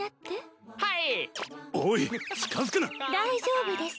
大丈夫です。